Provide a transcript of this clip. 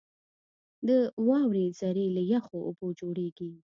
• د واورې ذرې له یخو اوبو جوړېږي.